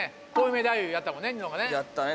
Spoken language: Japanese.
やったね